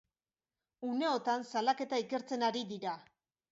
Uneotan salaketa ikertzen ari dira.